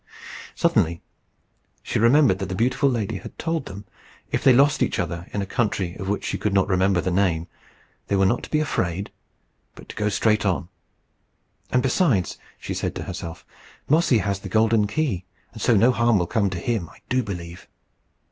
Suddenly she remembered that the beautiful lady had told them, if they lost each other in a country of which she could not remember the name, they were not to be afraid, but to go straight on. "And besides," she said to herself, "Mossy has the golden key, and so no harm will come to him, I do believe."